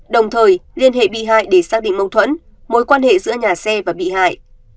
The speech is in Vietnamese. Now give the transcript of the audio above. đồng thời liên hệ bị hại để xác định mâu thuẫn mối quan hệ giữa nhà xe và bị hại